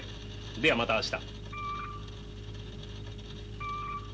ではまた明日。